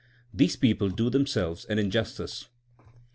These people do themselves an injustice.